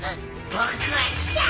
僕は記者！